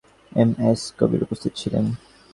M S Kabir উপস্থিত ছিলেন।